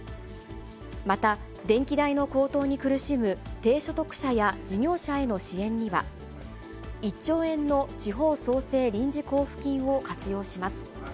また、電気代の高騰に苦しむ低所得者や事業者への支援には、１兆円の地方創生臨時交付金を活用します。